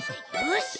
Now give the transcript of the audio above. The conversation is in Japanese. よし！